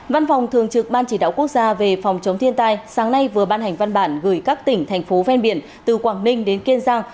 văn phòng thường trực ban chỉ đạo quốc gia về phòng chống thiên tai sáng nay vừa ban hành văn bản gửi các tỉnh thành phố ven biển từ quảng ninh đến kiên giang